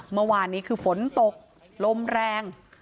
เมื่อวานนี้คือฝนตกลมแรง